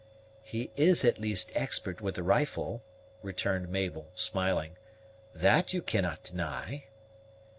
"He is at least expert with the rifle," returned Mabel, smiling. "That you cannot deny."